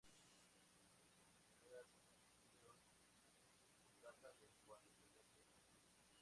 Su primera composición data de cuando tenía seis años.